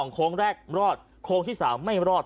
โค้งแรกรอดโค้งที่๓ไม่รอด